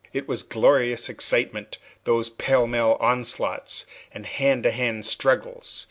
It was glorious excitement, those pell mell onslaughts and hand to hand struggles.